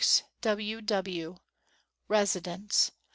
W Residency.